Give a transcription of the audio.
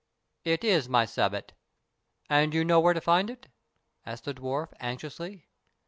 "It is, my Sebbet." "And you know where to find it?" asked the dwarf, anxiously.